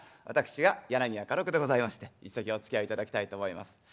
私が柳家花緑でございまして一席おつきあいいただきたいと思います。